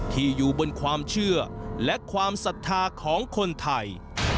อยู่บนความเชื่อและความศรัทธาของคนไทย